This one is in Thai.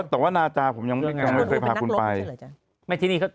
แต่ว่านาจ้าผมยังไม่เคยพาคุณไป